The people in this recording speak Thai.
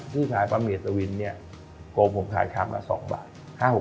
ชื่อขายบะหมี่อัศวินเนี่ยโกงผมขายคำละ๒บาท